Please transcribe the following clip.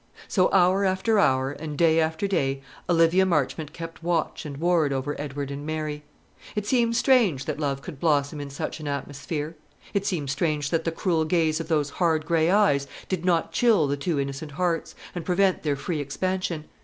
So, hour after hour, and day after day, Olivia Marchmont kept watch and ward over Edward and Mary. It seems strange that love could blossom in such an atmosphere; it seems strange that the cruel gaze of those hard grey eyes did not chill the two innocent hearts, and prevent their free expansion.